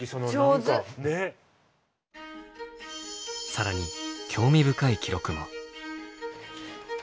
更に興味深い記録も。